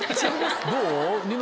どう？